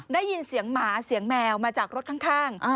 ได้ยินเสียงหมาเสียงแมวมาจากรถข้าง